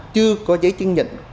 chưa có giấy chứng nhận